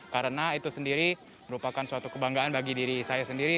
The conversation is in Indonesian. karena itu sendiri merupakan suatu kebanggaan bagi diri saya sendiri